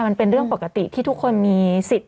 มันเป็นเรื่องปกติที่ทุกคนมีสิทธิ์